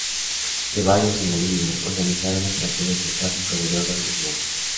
Ceballos y Murillo organizaron operaciones de tráfico de drogas en su nombre.